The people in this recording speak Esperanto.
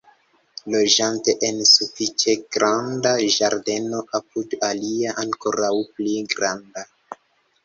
Loĝante en sufiĉe granda ĝardeno apud alia ankoraŭ pli granda.